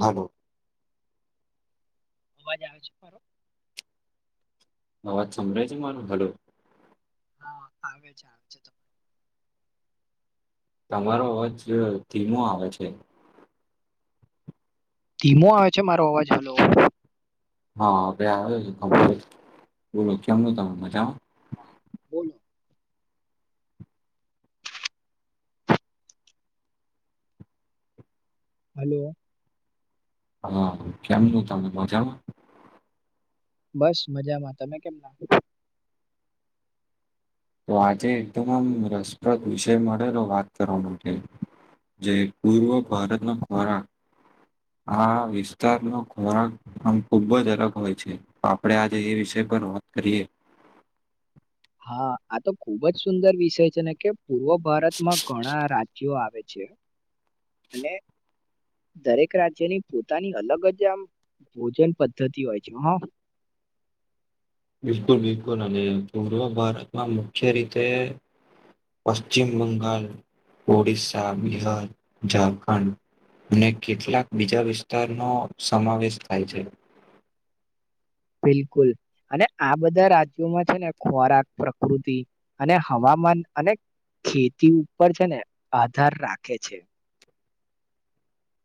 હાલો અવાજ આવે છે મારો અવાજ સંભળાય છે મારો હલો હા આવે છે આવે છે તમારે તમારો જ ધથીીમો આવે છે ધીમો આવે છે મારો અવાજ હલો હા બે આવ છે બોલો કેમનું તમે મજામાં હા બોલોલો હલો હા કેમ છ તમે મજામાં બસ મજામાં તમે કેમ નાખો તો આજે એક તમામ રસપ્રદ વિષય મળેલો વાત કરવાનો છે જે પૂર્વ ભારતના ભરા આ વિસ્તાર નો ખોરાક આમ ખુબ જ અલગ હોય છે આપડે આજે એ વિષ પર વાત કરીએ હા આ તો ખુબ જ સુંદર વિષય છે ને કે પૂર્વ ભારતમાં ઘણા રાજ્યો આવે છે અને [inaudible] દરેક રાજ્યની પોતાની અલગ જ આમ ભોજન પદ્ધતિ હોય છે હા [inaudible] બિલકુલ બિલકુલ અને પૂર્વ ભારતમાં મુખ્ય રીતે પશ્ચિમ બંગાલ ઓડિશસા બિહાર ઝારખંડ અને કેટલાક બીજા વિસ્તારનો સમાવેશ થાય છે બિલકુલ અને આ બધા રાજ્યોમાં છે ને ખોરાક પ્રકૃતિ અને હવા ન અને ખેતી ઉપર છે ને આધાર રાખે છે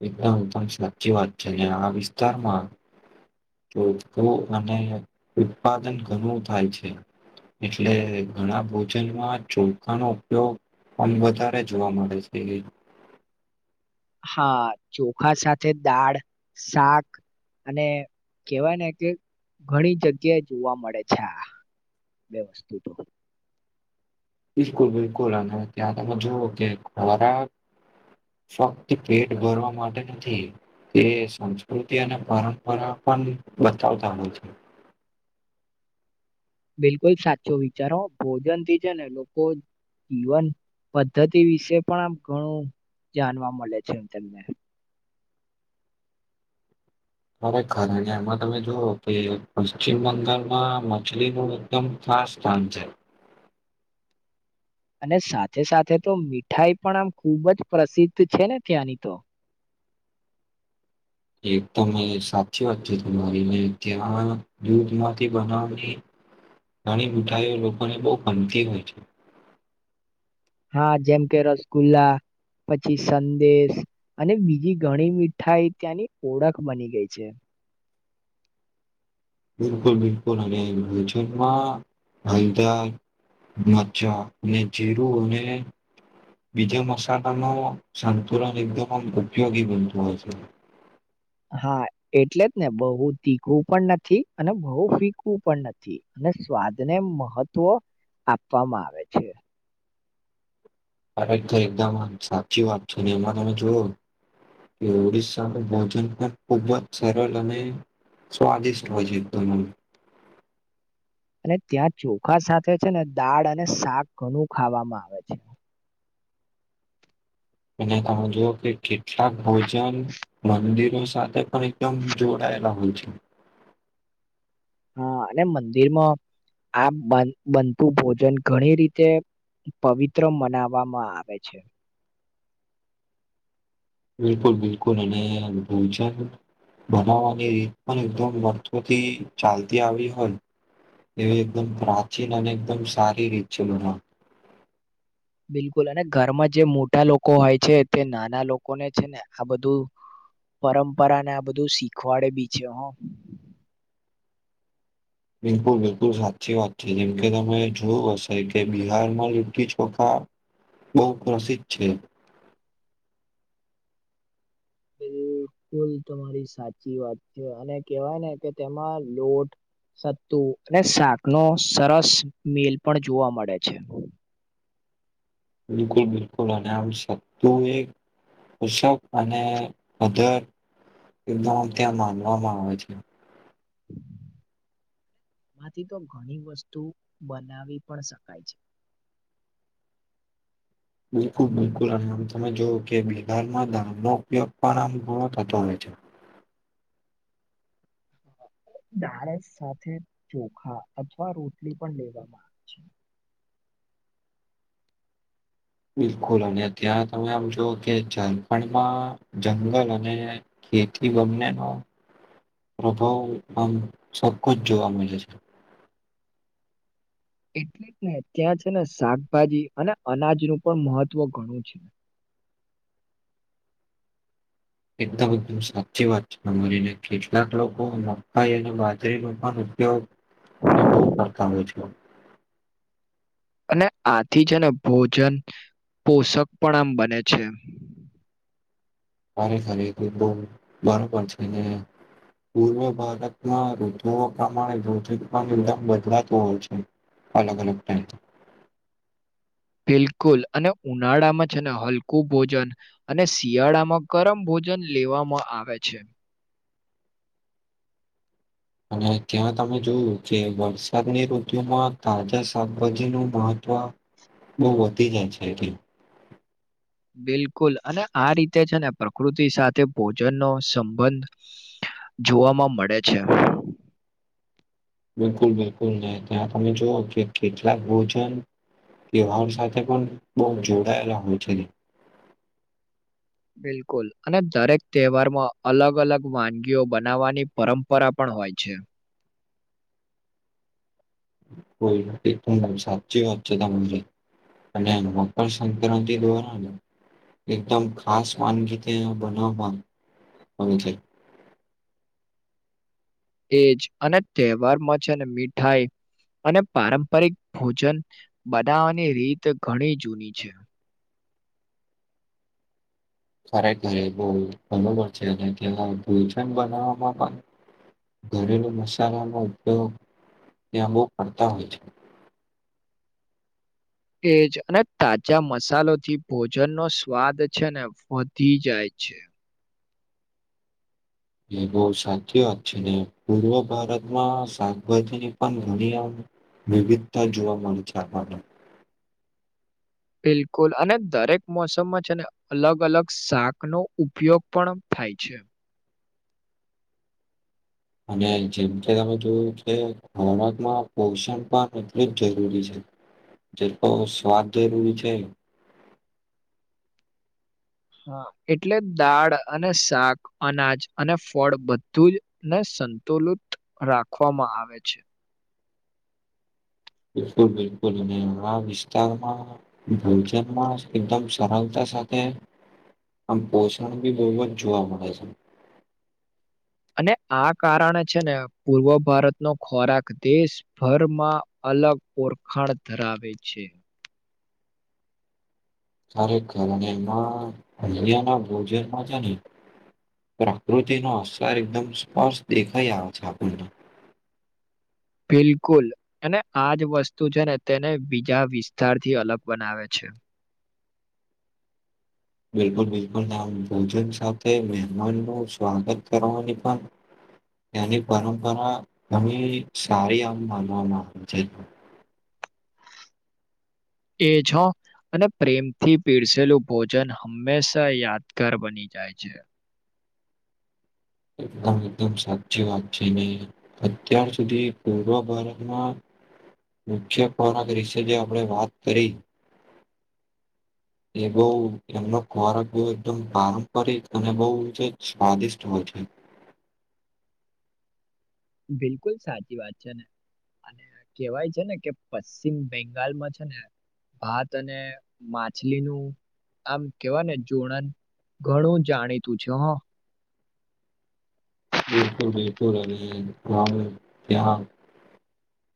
એકદમ પણમ સાચી વાત છે. અને આ વિસ્તારમાં ચો અને ઉત્પાદન ઘણું થાય છે. એટલે ઘણા ભોજનમાં ચોખખાનોો ઉપયોગ પણમ વધારે જોવા મળે છે. એ હા ચોખા સાથે દાળ શાક અને કેહેવાય ને કે ઘણી જગ્યાએ જોવા મળે છે. આ બે વસ્તુ તો બિલકુલ બિલકુલ અને ત્યાં તમે જુઓ કે ખરા ફક્ત પેટ ભરવા માટે નથી એ સંસ્કૃતિ અને પરંપરા પણ બતાવતા હોય છે બિલકુલ સાચો વિચારો ભોજન થી છે ને લોકો ઈવન પદ્ધતિ વિશે પણ આમ ઘણું જાણવા મળે છે હું તમને ખરેખર એમાં તમે જુઓ કે પશ્ચિમ બંગાળમાં મછલીનું એકદમ આ સ્થાન છે અને સાથે સાથે તો મીઠાઈ પણ આમ ખૂબ જ પ્રસિદ્ધ છે, ને ત્યાંની તો [inaudible] ત સાચી વાત છે, ત મારી મે ત્યાં દૂધ માંથી બનાવની નાણી મૂઠાઈઓ લોકોને બહુ ગમતી હોય છે. હા, જેમ કે રસગુલ્લા પછી સંદેશ અને બીજી ઘણી મીઠાઈ ત્યાંની ઓળખ બની ગઈ છે. બિકુલ બિકુલ અને છે મા ભાઈદાર મજા ને જીરું અને બીજા મસાલામાં સાંતુલન એકદમ ઉપયોગી બનતું હોય છે. હા, એટલે જ ને બહુ તીખું પણ નથી અને બહુ ફીકવું પણ નથી. સ્વાદ ને મહત્વ આપવામાં આવે છે. અરેક તો એકદમ સાચી વાત છે, ને એમાં તમે જોયું એ ઓડિસ્શસા ન ભોજન પણ ખુબ જ સરળ અને સ્વાદિષ્ટ હોય છે. એકદમ અને ત્યાં ચોખા સાથે છે ને દાળ અને શાક ઘણું ખાવામાં આવે છે. [inaudible] અને તમે જોુ કે કેટલાક ભોજન મંદિરો સાથે પણ એકદમ જોડાય લા છે. હા, અને મંદિરમાં આ બનતું ભોજન ઘણી રીતે પવિત્ર મનાવવામાં આવે છે. બિલકુલ બિલકુલ અને અનુભવ વિ બનાવવાની રીત પણ એકદમ વર્થોથી ચાલતી આવી હોય. એ એકદમ પ્રાચીન અને એકદમ સારી રીત છે, બનાવવાની બિલકુલ અને ઘરમાં જે મોટા લોકો હોય છે. તે નાના લોકોને છે ને આ બધું પરંપરા ને આ બધું શીખવાડે બી છે. હ બિલકુલ બિલકુલ સાચી વાત છે, જેમકે તમે જોયું હશે કે બિહારમાં લીટી ચોખા બહુ પ્રસિદ્ધ છે. બિલકુલ તમારી સાચી વાત છે, અને કેવાય ને કે તેમાં લોટ સત્તુ અને શાક નો સરસ મિલ પણ જોવા મળે છે. બિકુલ બિકુલ અમ સત્તુ એક ઋષભ અને અધર એકદમમ ત્યાં માનવામાં આવે છે. એમાંથી તો ઘણી વસ્તુ બનાવી પણ શકાય છે. [inaudible] બિલકુલ બિલકુલ અને તમે જો કે બિહારમાં દાન નો ઉપયોગ પણ આમ ઘણો થતો હોય છે. [inaudible] દાળસ સાથે ચોખા અથવા રોટલી પણ લેવામાં આવે છે. બિલકુલ અને અત્યાં તમે આમ જુ કે ઝલપણમાં જંગલ અને ખેતીલી ગમને નો પ્રભાવ આમ સરખુ જ જોવા મળે છે. એટલે જ ને ત્યાં છે, ને શાકભાજી અને અનાજનું પણ મહત્વ ઘણું છે. [inaudible] એકદમ સાચી વાત છે. તમારીને કેટલાક લોકો મકાઈ અને બાજરી નુ પણ ઉપયોગ એમ બહુ કરતા હોય છે. અને આથી છે ને ભોજન પોષક પણ આમ બને છે. ખરેખર એતો ખુબજ બરોબરો છે એ પૂર્વ ભારતમાં ઋતુ ઓ પ્રમાણે ભોજન પર બદલાતું હોય છે. અલગ અલગ ટાઈમ બિલકુલ અને ઉનાળામાં છે ને હલકું ભોજન અને શિયાળામાં ગરમ ભોજન ભોજન લેવામાં આવે છે અને ત્યાં તમે જોયું કે વરસાદની ઋતુમાં તાજા શાકભાજી નું મહત્વ બહુ વધી જાય છે એટલે બિલકુલ અને આ રીતે છે ને પ્રકૃતિ સાથે ભોજન નો સંબંધ જોવામાં મળે છે બિલકુલ બિલકુલ નહી ત્યાં તમે જોઓ કે કેટલાક ભોજન ત્યવાાર સાથે પણ બહુ જોડાયેલા હોય છે બિલકુલ અને દરેક તહેવારમાં અલગ અલગ વાનગીઓ બનાવવાની પરંપરા પણ હોય હો છે કોઈ એક પણ સાચી વાત છે તમા રી અને મકર સંક્રાંતિ દ્વારા એકદમ ખાસ માનગીતે બનાવવામાં આવી છે એજ અને તહેવારમાંછે અને મીઠાઈ અને પારંપરિક ભોજન બનાવાની રીત ઘણી જૂની છે ઘરે ઘરે બહુ બરોબર છે અને ત્યાં ભૂય છે ને બનાવવામાં પણ ઘરેલુ મસાલાનો ઉપયોગ ત્યા બહુ કરતા હોય છે એજ અને તાજા મસાલો થી ભોજન નો સ્વાદ છે ને વધી જાય છે છે એવો સાચી વાત છે ને પૂર્વ ભારતમાં શાકભાજીની પણ ઘણી આમ વિવિધતા જોવા મળે આપણે બિલકુલ અને દરેક મોસમમાં છે ને અલગ અલગ શાક નો ઉપયોગ પણ થાય છે અને જેમકે તમે જોયું કે ખોરાકમાં પોષણ પણ એટલું જ જરૂરી છે જે તો સ્વાદ જરૂરી છે હ એટલે દાળ અને શાક અનાજ અને ફળ બધું જ ને સંતુલુત રાખવામાં આવે છે બિલકુલ બિલકુલ અને આ વિસ્તારમાં ભોજનમાં એકદમ સરળતા સાથે આમ પોસણ બી બહુ જ જોવા મળે છે અને આ કારણે છે ને પૂર્વ ભારતનો ખોરાક દેશભરમાં અલગ ઓરખાણ ધરાવે છે ખરેખર અને એમાં અહયા ના ભોજનમાં છે ને પ્રકૃતિનો અસર એકદમ સ્પષ્ટ દેખાઈ આવે છે આપણે [inaudible] બિલકુલ અને આજ વસ્તુ છે ને તેને બીજા વિસ્તાર થી અલગ બનાવે છે બિલકુલ બિલકુલ ના ભોજન સાથે મહેમાન નું સ્વાગત કરવાની પણ એની પરંપરા ઘણી સારી આમ માનવામાં આવે છે એ છો અને પ્રેમથી પીરસેલું ભોજન હંમેશા યાદગાર બની જાય છે એકદમ એકદમ સાચી વાત છે ને અત્યાર સુધી પૂર્વ ભારતમાં મુખ્ય ખોરાક રશે જે આપણે વાત કરી એ બહ એમનો ખોરાક બહ એકદમ પારંપરિક અને બહ સ્વાદિષ્ટ હોય છે બિલકુલ સાચી વાત છે ને અને કેહેવાય છે ને કે પશ્ચિમ બંગાલમાં છે ને ભાત અને માછલીનુંું આમ કેવા ને જોણન ઘણું જાણીતું છે હ બિકુલ બિલકુલ અરે ર તેં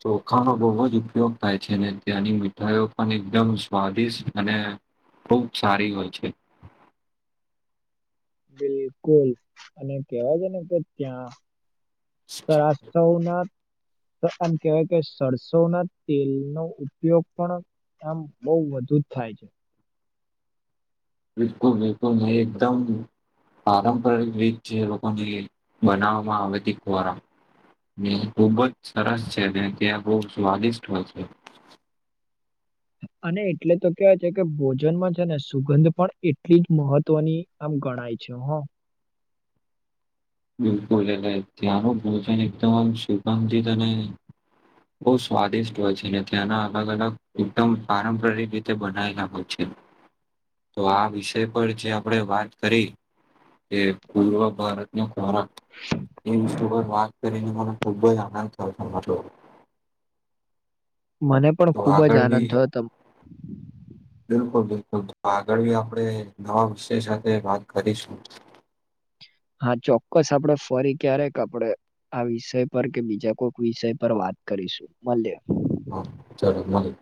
ચોખાનો બહુ જ ઉપયોગ થાય છે ને ત્યાંની મીઠાઈ પણ એકદમ સ્વાદિષ્ટ અને ને ખુબ સારી હોય છે. બિલકુલ અને કેવા છે ને કે ત્યાં તો આ સૌના તો આમ કેવાય કે સરસો ના તેલનો ઉપયોગ પણ આમ બઉ વધુથ થાય છે. બિલકુલ બિલકુલ નહી એકદમ પારંપરિક રીત જે લોકોને જે બનાવવામાં આવે તે ખોવારા ની ખુબ જ સરસ છે અને ને ત્યાં બહુ સ્વાદિષ્ટ હોય છે. અને એટલે તો કે છે કે ભોજનમાં છે ને સુગંધ પણ એટલી જ મહત્વની આમ ગણ ણાએ છે હો. બિલકુલ એને ત્યાંનું ભોજન એકદમ આમ સુગંધિત અને બહુ સ્વાદિષ્ટ હોય છે ને ત્યાંના અલગ અલગ એકદમ પારંપરિક રીતે બનાયલા હોય છે. [inaudible] તો આ વિષય પર જે આપણે વાત કરી એ પૂર્વ ભારત ભારત એમસ [inaudible] વાત કરીને મને ખુબ જ આનંદ થયો હતો. મને પણ તો ખુબ જ આગળ આનંદ બી થયો તો. બિલકુલ બિલકુલ તો આગળ આપણે નવા વિષય સાથે વાત કરીશું. હા, ચોક્કસ આપડ ફરી ક્યારેક આપડે આ વિષય પર કે બીજા કોઈક વિષય પર વાત કરીશું, મલીએ. હા, ચલો મલી